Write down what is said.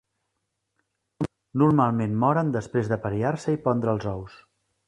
Normalment moren després d'apariar-se i pondre els ous.